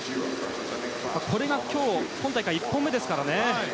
これが今大会１本目ですから。